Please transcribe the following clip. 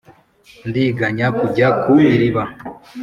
ndiganya kujya ku iriba.